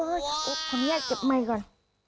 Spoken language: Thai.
คำนี้ยากเจ็บเม็ดก่อน